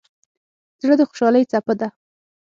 زړه د خوشحالۍ څپه ده.